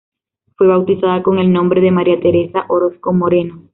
Fue bautizada con el nombre de María Teresa Orozco Moreno.